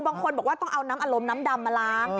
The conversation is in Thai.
บางคนบอกว่าต้องเอาน้ำอารมณ์น้ำดำมาล้าง